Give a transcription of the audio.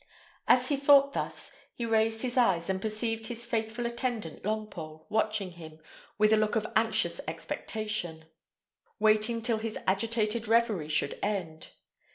As he thought thus, he raised his eyes, and perceived his faithful attendant Longpole watching him with a look of anxious expectation, waiting till his agitated reverie should end.